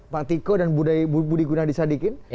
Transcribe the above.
pak tiko dan budi gunadisadikin